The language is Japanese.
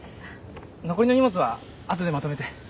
残りの荷物は後でまとめて。